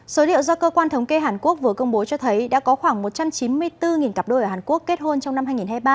số liệu do cơ quan thống kê hàn quốc vừa công bố cho thấy đã có khoảng một trăm chín mươi bốn cặp đôi ở hàn quốc kết hôn trong năm hai nghìn hai mươi ba